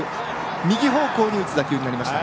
右方向に打つ打球になりました。